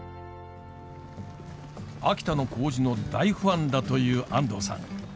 秋田の麹の大ファンだという安藤さん。